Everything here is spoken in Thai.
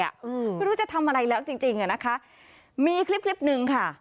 ไม่รู้จะทำอะไรแล้วจริงมีอีกคลิปนึงค่ะ